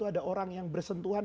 ada orang yang bersentuhan